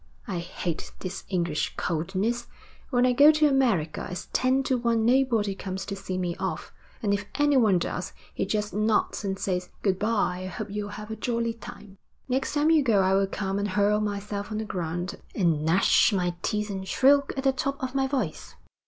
I hate this English coldness. When I go to America, it's ten to one nobody comes to see me off, and if anyone does he just nods and says "Good bye, I hope you'll have a jolly time."' 'Next time you go I will come and hurl myself on the ground, and gnash my teeth and shriek at the top of my voice.'